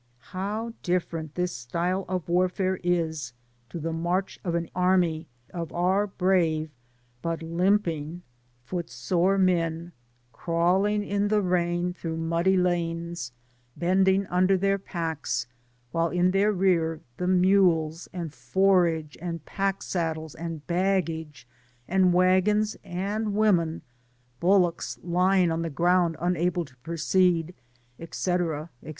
How different this style of warfare is from the march of an army of our brave, but limping, foot I 2 Digitized byGoogk 116 TltB l^AMPAS tN]>lAH9. Sore men, crawling in the rain through muddy lanes, bending under then* packs, while in their rear the mules, and forage, and packsaddles, and baggage, and waggons and women — bullocks lying on th^ ground imable to proceed, &c., &c.